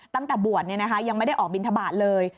ตั้งแต่บวชยังไม่ได้ออกบินทบาทเลย